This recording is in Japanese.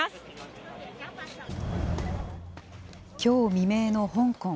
きょう未明の香港。